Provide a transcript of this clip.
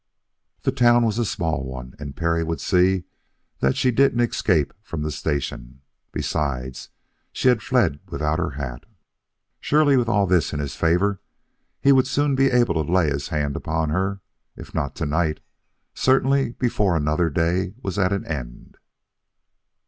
The town was a small one; and Perry would see that she didn't escape from the station. Besides, she had fled without her hat. Surely, with all this in his favor, he would soon be able to lay his hand upon her, if not to night, certainly before another day was at an end.